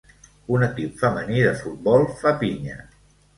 Un equip femení de futbol fa pinya.